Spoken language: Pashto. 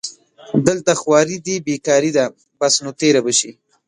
دلته خواري دې بېکاري ده بس نو تېره به شي